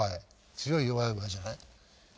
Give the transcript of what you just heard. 強い弱い弱いじゃない？